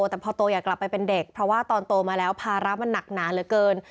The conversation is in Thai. แต่พอโตอยากกลับไปเป็นเด็กเพราะว่าตอนโตมาแล้วภาระมันหนักหนาเหลือเกิน